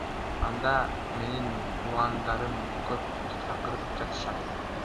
Анда менин туугандарым көп, чакырып жатышат.